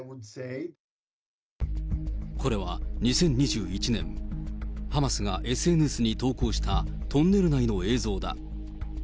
これは２０２１年、ハマスがＳＮＳに投稿したトンネル内の映像だ。